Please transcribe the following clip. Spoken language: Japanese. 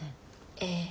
ええ。